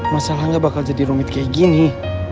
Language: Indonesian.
masalah ga bakal jadi rumit kayak gini